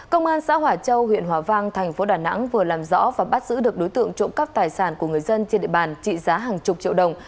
công an xã hỏa châu huyện hòa vang thành phố đà nẵng vừa làm rõ và bắt giữ được đối tượng trộm cắp tài sản của người dân trên địa bàn trị giá hàng chục triệu đồng